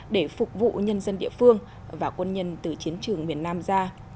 để phục vụ nhân dân địa phương và quân nhân từ chiến trường miền nam ra